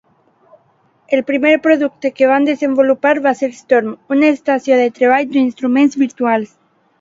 El primer producte que van desenvolupar va ser Storm, una estació de treball d'instruments virtuals.